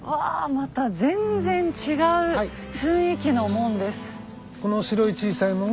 また全然違う雰囲気の門です。